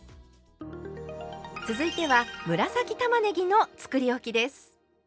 続いては紫たまねぎのつくりおきです。